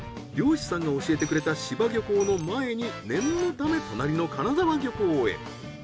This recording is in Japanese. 漁師さんが教えてくれた柴漁港の前に念のため隣の金沢漁港へ。